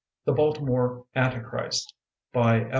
THE BALTIMORE ANTKTHRIST By F.